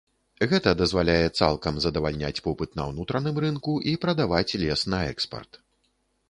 Гэта дазваляе цалкам задавальняць попыт на ўнутраным рынку і прадаваць лес на экспарт.